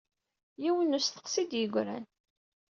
Yiwen n usteqsi i d-yeggran.